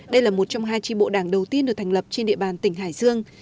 đây là một trong hai tri bộ đảng đầu tiên được thành lập trên địa bàn tỉnh hải dương